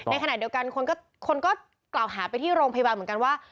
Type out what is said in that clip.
ในขณะเดียวกันคนก็กล่าวหาไปที่โรงพยาบาลเหมือนกันว่า